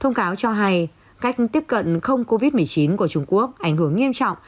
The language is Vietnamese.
thông cáo cho hay cách tiếp cận không covid một mươi chín của trung quốc ảnh hưởng nghiêm trọng